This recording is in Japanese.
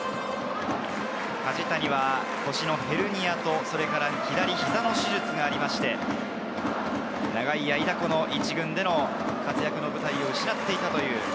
梶谷は腰のヘルニアと左膝の手術がありまして、長い間１軍での活躍の舞台を失っていました。